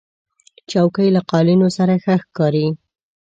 چوکۍ له قالینو سره ښه ښکاري.